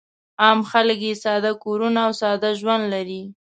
عام خلک یې ساده کورونه او ساده ژوند لري.